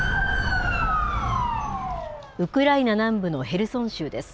ウクライナ南部のヘルソン州です。